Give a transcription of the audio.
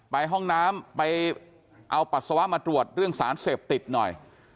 ไปห้องน้ำไปเอาปัสสาวะมาตรวจเรื่องสารเสพติดหน่อย